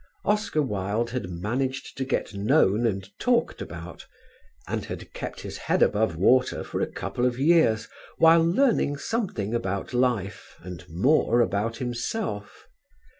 Oscar Wilde had managed to get known and talked about and had kept his head above water for a couple of years while learning something about life and more about himself.